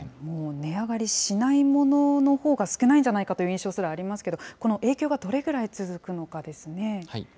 もう値上がりしないもののほうが少ないんじゃないかという印象すらありますけれども、この影響がどれぐらい続くのかですね。